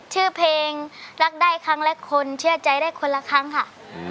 ชื่อเพลงรักได้ครั้งละคนเชื่อใจได้คนละครั้งค่ะ